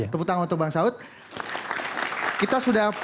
tepuk tangan untuk bang saud